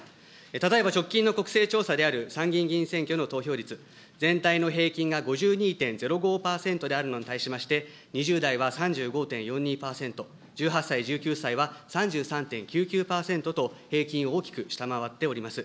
例えば直近の国政調査である参議院議員選挙の投票率、全体の平均が５２．０５％であるのに対しまして、２０代は３５．４２％、１８歳、１９歳は３３．９９％と、平均を大きく下回っております。